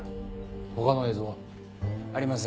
他の映像は？ありません。